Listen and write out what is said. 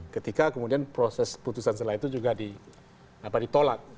ketika kemudian proses putusan setelah itu juga ditolak